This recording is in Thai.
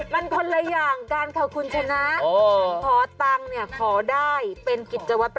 หนังสนขอจะลียแฮฟ